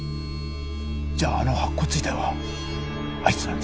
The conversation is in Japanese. じゃああの白骨遺体はあいつなんですか？